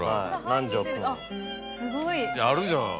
やるじゃん。